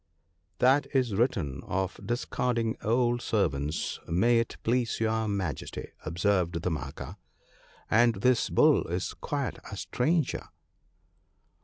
' That is written of discarding old servants, may it please your Majesty/ observed Damanaka ;' and this Bull is quite a stranger.'